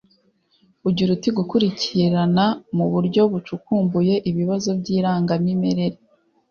ugira uti Gukurikirana mu buryo bucukumbuye ibibazo by irangamimerere